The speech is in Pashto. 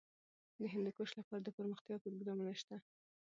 د هندوکش لپاره دپرمختیا پروګرامونه شته.